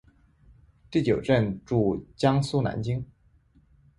第九镇驻江苏南京。